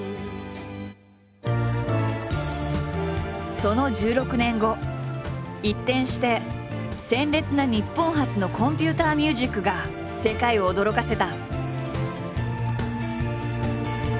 その１６年後一転して鮮烈な日本発のコンピュータミュージックが世界を驚かせた。